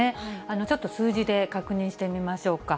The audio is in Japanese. ちょっと数字で確認してみましょうか。